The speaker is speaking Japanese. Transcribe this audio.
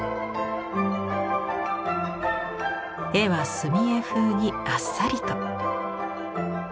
絵は墨絵風にあっさりと。